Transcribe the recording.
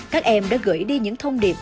các em đã gửi đi những thông điệp